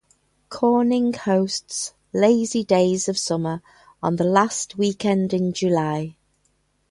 Corning hosts Lazy Days of Summer on the last weekend in July.